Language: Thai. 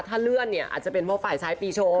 ถ้าเลื่อนเนี่ยอาจจะเป็นเพราะฝ่ายชายปีโชว